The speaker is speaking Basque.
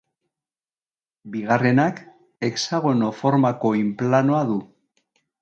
Bigarrenak, hexagono formako oinplanoa du.